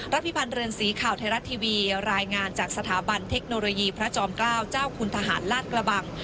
พิพันธ์เรือนสีข่าวไทยรัฐทีวีรายงานจากสถาบันเทคโนโลยีพระจอมเกล้าเจ้าคุณทหารลาดกระบัง